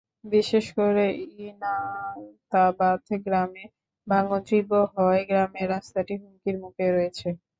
বিশেষ করে ইনাতাবাদ গ্রামে ভাঙন তীব্র হওয়ায় গ্রামের রাস্তাটি হুমকির মুখে রয়েছে।